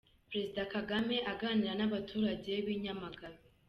Perezida Kagame aganira n'abaturage b'i Nyamagabe.